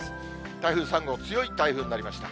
台風３号、強い台風になりました。